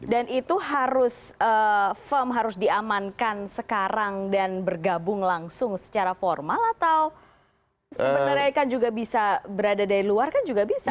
itu harus firm harus diamankan sekarang dan bergabung langsung secara formal atau sebenarnya kan juga bisa berada dari luar kan juga bisa